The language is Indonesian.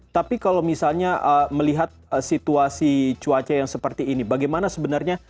tapi kalau misalnya melihat situasi cuaca yang seperti ini bagaimana sebenarnya